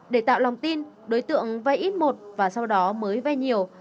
để tạo lòng tin đối tượng vay ít một và sau đó mới vay nhiều